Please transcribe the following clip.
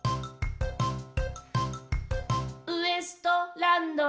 ウエストランド井口